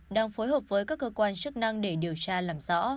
đang phối hợp với các cơ quan chức năng để điều tra làm rõ